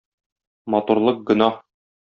Матурлык гөнаһ!